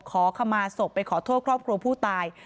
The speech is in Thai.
ขอขมาศพไปขอโทษครอบครัวผู้ตาย